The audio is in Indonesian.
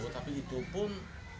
tapi itu pun